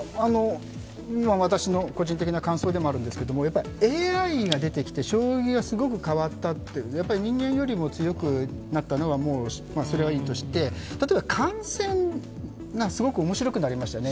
私の個人的な感想ではあるんですが、ＡＩが出てきて将棋がすごく変わった、人間よりも強くなったのは、もうそれはいいとして、例えば観戦がすごく面白くなりましたよね。